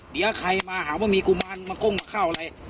เดี๋ยวใครมาหาว่ามีกุมารมาก้มมาเข้าอะไร